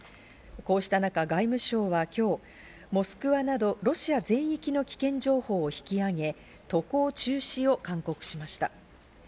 こうした中、外務省は今日、モスクワなどロシア全域の危険情報を引き上げ、渡航中止を勧告しました。